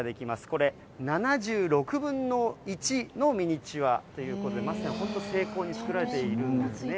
これ、７６分の１のミニチュアということで、まさに本当に精巧に作られているんですね。